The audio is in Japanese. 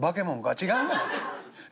「違うがな。